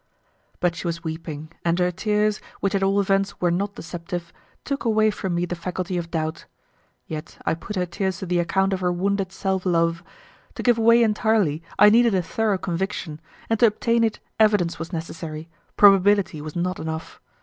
But she was weeping, and her tears, which at all events were not deceptive, took away from me the faculty of doubt. Yet I put her tears to the account of her wounded self love; to give way entirely I needed a thorough conviction, and to obtain it evidence was necessary, probability was not enough.